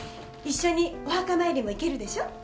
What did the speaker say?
一緒にお墓参りも行けるでしょ？